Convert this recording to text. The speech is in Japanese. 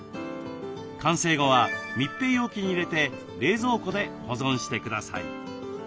完成後は密閉容器に入れて冷蔵庫で保存してください。